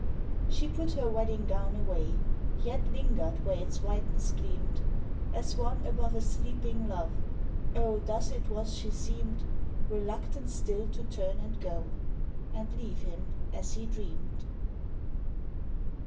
She put her wedding gown away Yet lingered where its whiteness gleamed As one above a sleeping Love, Oh, thus it was she seemed, Reluctant still to turn and go And leave him as he dreamed.